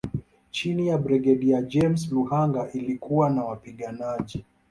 Chini ya Brigedia James Luhanga ilikuwa na wapiganaji